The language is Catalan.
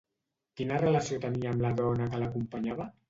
Quina relació tenia amb la dona que l'acompanyava?